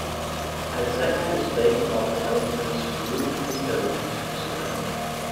Als Sänger ist Bacon auch in Ellingtons „Rude Interlude“ zu hören.